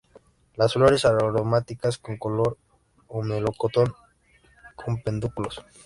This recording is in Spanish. Las flores aromáticas con olor a melocotón; con pedúnculos.